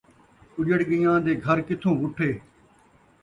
اُڄڑ ڳیاں دے گھر کتھوں وُٹھے